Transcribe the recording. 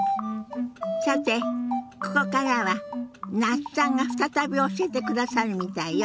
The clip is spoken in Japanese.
さてここからは那須さんが再び教えてくださるみたいよ。